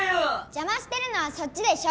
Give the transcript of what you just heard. じゃましてるのはそっちでしょ！